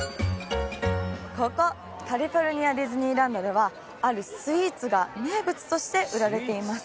ここカリフォルニアディズニーランドではあるスイーツが名物として売られています